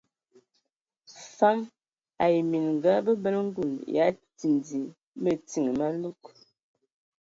Fam ai minga bəbələ ngul ya tindi mətin malug.